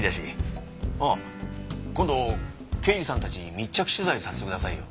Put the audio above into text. ああ今度刑事さんたちに密着取材させてくださいよ。